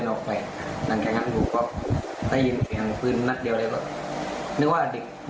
นึกว่าหลังจากนั้นก็ได้ยินเสียงคนร้องโวยวายหนูก็ไปดู